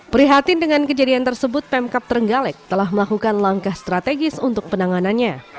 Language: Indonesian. prihatin dengan kejadian tersebut pemkap trenggalek telah melakukan langkah strategis untuk penanganannya